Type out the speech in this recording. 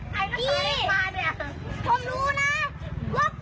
ว่าป้านอย่าหาเรื่องทะเลาะกับผม